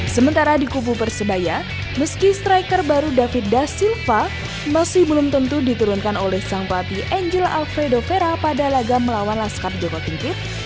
sementara di kubu persebaya meski striker baru david da silva masih belum tentu diturunkan oleh sang pelatih angel alfredo vera pada laga melawan laskap joko tingkit